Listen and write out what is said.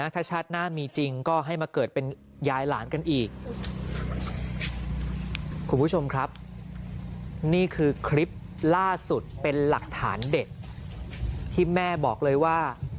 กันอีกคุณผู้ชมครับนี่คือคลิปล่าสุดเป็นหลักฐานเด็ดที่แม่บอกเลยว่า